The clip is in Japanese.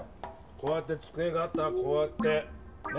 こうやってつくえがあったらこうやってね。